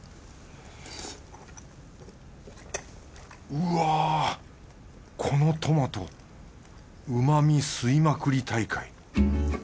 うわぁこのトマト旨み吸いまくり大会。